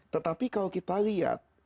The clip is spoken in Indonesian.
tetapi kalau kita lihat